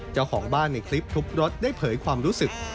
เจ้าของบ้านในคลิปทุบรถได้เผยความรู้สึก